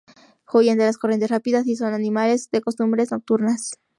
Huyen de las corrientes rápidas y son animales de costumbres nocturnas.